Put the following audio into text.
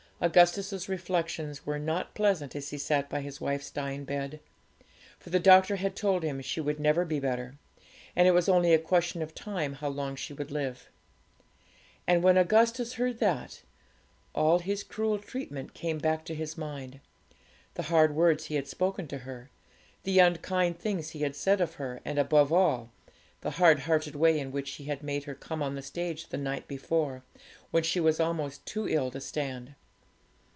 Augustus' reflections were not pleasant as he sat by his wife's dying bed. For the doctor had told him she would never be better, and it was only a question of time how long she would live. And when Augustus heard that, all his cruel treatment came back to his mind the hard words he had spoken to her, the unkind things he had said of her, and, above all, the hard hearted way in which he had made her come on the stage the night before, when she was almost too ill to stand.